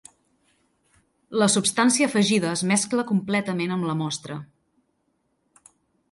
La substància afegida es mescla completament amb la mostra.